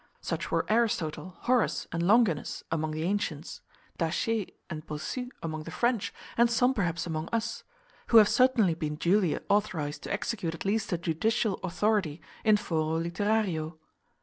Such were Aristotle, Horace, and Longinus, among the antients, Dacier and Bossu among the French, and some perhaps among us; who have certainly been duly authorised to execute at least a judicial authority in foro literario.